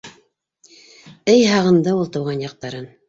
Эй һағынды ул тыуған яҡтарын!